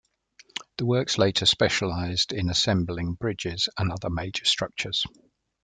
The works later specialised in assembling bridges and other major structures.